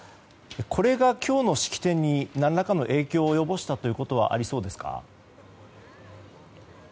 これが今日の式典に何らかの影響を及ぼしたことはありそうですか？